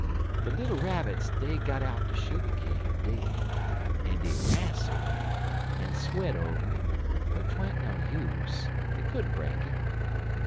"De little Rabbits, dey got out de sugar cane, dey did, en dey rastle wid it, en sweat over it, but twan't no use. Dey couldn't broke it.